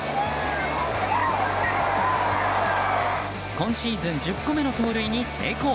今シーズン１０個目の盗塁に成功。